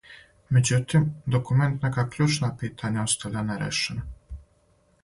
Међутим, документ нека кључна питања оставља нерешена.